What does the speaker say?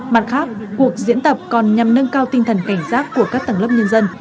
mặt khác cuộc diễn tập còn nhằm nâng cao tinh thần cảnh giác của các tầng lớp nhân dân